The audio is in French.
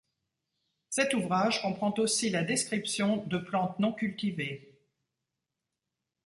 Cet ouvrage comprend aussi la description de plantes non cultivées.